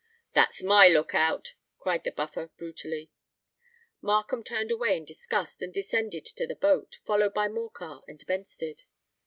"That's my look out," cried the Buffer, brutally. Markham turned away in disgust, and descended to the boat, followed by Morcar and Benstead.